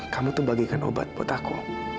kamu tuh bagikan obat buat aku